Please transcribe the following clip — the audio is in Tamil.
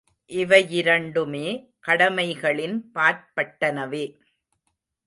இவையிரண்டுமே கடமைகளின் பாற்பட்டனவே.